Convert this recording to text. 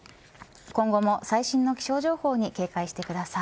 今後も最新の気象情報に警戒してください。